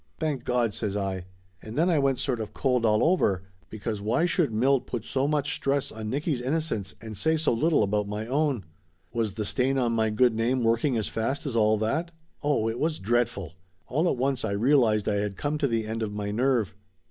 "Thank God !" says I. And then I went sort of cold Laughter Limited 317 all over, because why should Milt put so much stress on Nicky's innocence and say so little about my own? Was the stain on my good name working as fast as all that? Oh, it was dreadful! All at once I realized I had come to the end of my nerve.